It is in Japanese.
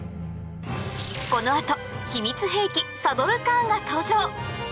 この後秘密兵器サドルカーンが登場